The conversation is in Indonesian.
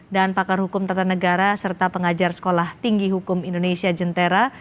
dan pakar hukum tata negara serta pengajar sekolah tinggi hukum indonesia jentera